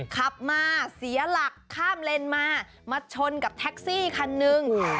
ขับมาเสียหลักข้ามเลนมามาชนกับแท็กซี่คันหนึ่ง